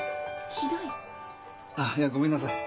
あっいやごめんなさい。